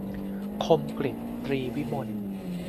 คมกฤษ ตรีวิมล